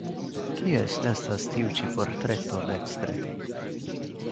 Kies estas tiu ĉi portreto dekstre?